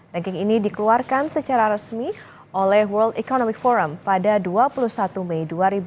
ranking ini dikeluarkan secara resmi oleh world economic forum pada dua puluh satu mei dua ribu dua puluh